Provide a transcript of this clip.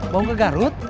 mau ke garut